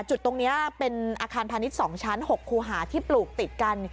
จุดตรงนี้เป็นอาคารพาณิชย์๒ชั้น๖คูหาที่ปลูกติดกัน